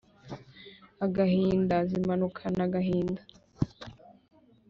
agahinda : zimanukana agahinda